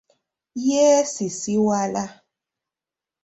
Yeesisiwala.